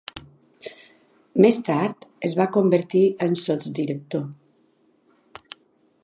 Més tard es va convertir en sotsdirector.